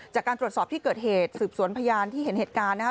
จากการตรวจสอบที่เกิดเหตุสืบสวนพยานที่เห็นเหตุการณ์นะคะ